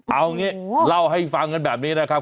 เอางี้เล่าให้ฟังกันแบบนี้นะครับ